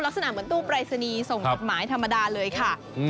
ลักษณะเหมือนตู้ปรายศนีย์ส่งจดหมายธรรมดาเลยค่ะ